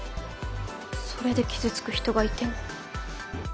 それで傷つく人がいても。